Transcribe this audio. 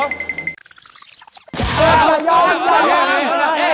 ประย้อง